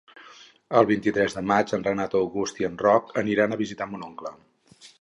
El vint-i-tres de maig en Renat August i en Roc aniran a visitar mon oncle.